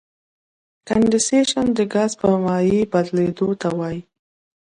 کنډېنسیشن د ګاز په مایع بدلیدو ته وایي.